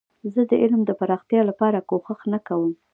زه د علم د پراختیا لپاره کوښښ نه کوم.